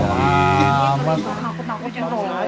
kalo aja masih muda